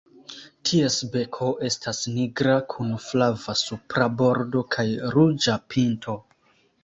Ties beko estas nigra kun flava supra bordo kaj ruĝa pinto.